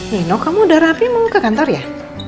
neno kamu udah rapi mau ke kantor ya